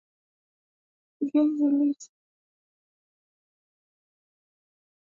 Mikoa kadha wa kdha Tanzania hulima Viazi lishe TAnzania